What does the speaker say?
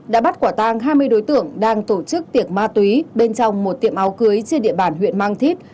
đã bắt quả tang hai mươi đối tượng đang tổ chức tiệc ma túy bên trong một tiệm áo cưới trên địa bàn huyện mang thít